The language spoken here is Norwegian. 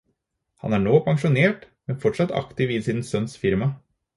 Han er nå pensjonert, men fortsatt aktiv i sin sønns firma.